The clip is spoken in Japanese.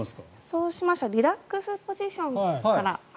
そうするとリラックスポジションから。